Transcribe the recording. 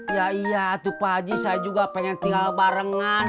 iya iya tuh pak haji saya juga pengen tinggal barengan